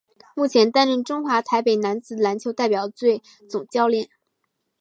目前担任中华台北男子篮球代表队总教练。